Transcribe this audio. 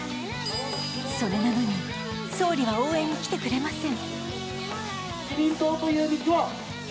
それなのに、総理は応援に来てくれません。